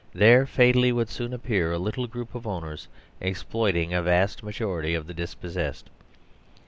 therefatally wouldsoon appearalittle groupofow ners exploiting a vast majority of the dispossessed.